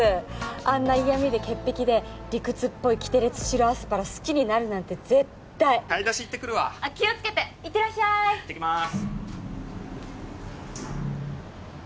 あんな嫌みで潔癖で理屈っぽいキテレツ白アスパラ好きになるなんて絶対買い出し行ってくるわ気をつけて行ってらっしゃい行ってきます